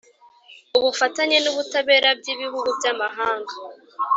Ubufatanye n ubutabera by ibihugu by amahanga